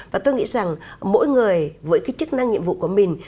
và tôi nghĩ rằng mỗi người với cái chức năng nhiệm vụ của mình